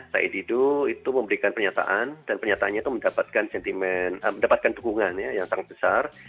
said didu itu memberikan pernyataan dan pernyataannya itu mendapatkan sentimen mendapatkan dukungan yang sangat besar